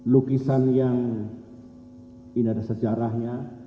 lukisan yang ini ada sejarahnya